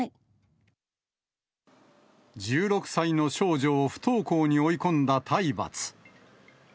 １６歳の少女を不登校に追い込んだ体罰。